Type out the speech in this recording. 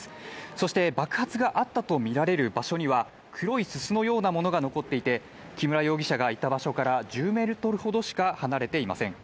そして爆発があったとみられる場所には黒いすすのようなものが残っていて、木村容疑者がいた場所から１０メートルほどしか離れていません。